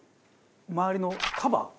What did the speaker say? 周りのカバー